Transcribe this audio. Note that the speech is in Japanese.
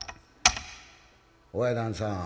「親旦那さん」。